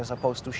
untuk satu orang